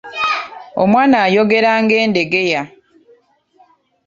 Omwana ayogera nga Endegeya.